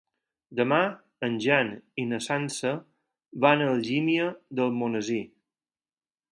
Demà en Jan i na Sança van a Algímia d'Almonesir.